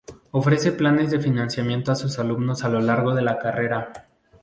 Ofrece planes de financiamiento a sus alumnos a lo largo de la carrera.